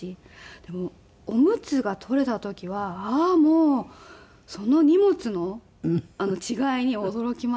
でもオムツが取れた時はああもうその荷物の違いに驚きました。